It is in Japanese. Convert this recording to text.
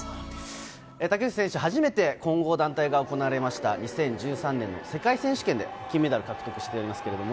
竹内選手、初めて混合団体が行われました２０１３年世界選手権で、金メダルを獲得しております。